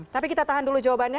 tapi kita tahan dulu jawabannya